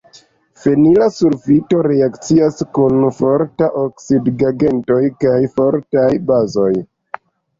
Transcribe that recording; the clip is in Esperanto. Fenila sulfito reakcias kun fortaj oksidigagentoj kaj fortaj bazoj.